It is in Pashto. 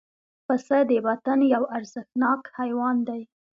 پسه د وطن یو ارزښتناک حیوان دی.